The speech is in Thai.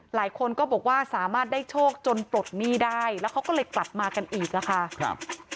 หลายคนก็บอกว่าสามารถได้โชคจนปลดหนี้ได้แล้วเขาก็เลยกลับมากันอีกอะค่ะครับ